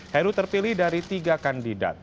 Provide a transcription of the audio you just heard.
heru terpilih dari tiga kandidat